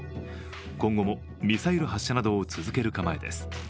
今後も、ミサイル発射などを続ける構えです。